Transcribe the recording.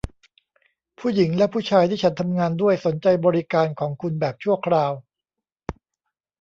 ผู้หญิงและผู้ชายที่ฉันทำงานด้วยสนใจบริการของคุณแบบชั่วคราว